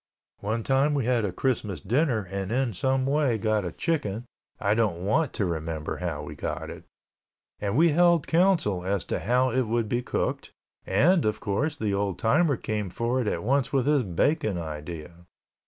One time we had a Christmas dinner and in some way got a chicken (I don't want to remember how we got it) and we held council as to how it would be cooked and, of course, the old timer came forward at once with his bacon idea.